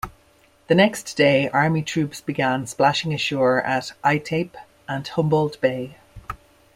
The next day, Army troops began splashing ashore at Aitape and Humboldt Bay.